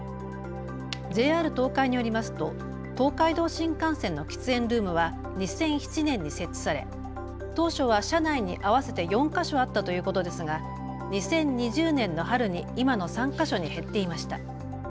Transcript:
ＪＲ東海によりますと東海道新幹線の喫煙ルームは２００７年に設置され当初は車内に合わせて４か所あったということですが２０２０年の春に今の３か所に減っていました。